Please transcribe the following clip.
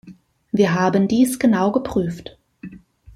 Wir haben dies genau geprüft.